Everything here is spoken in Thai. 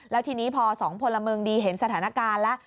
แล้วทีนี้พอสองพลเมืองดีเห็นสถานการณ์แล้ว